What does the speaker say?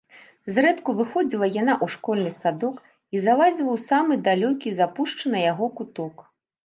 Зрэдку выходзіла яна ў школьны садок і залазіла ў самы далёкі, запушчаны яго куток.